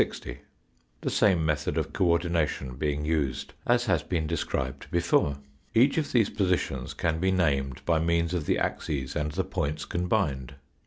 60, the same method of co ordination being used as has been described before. Each of these positions can be named by means of the axes and the points combined.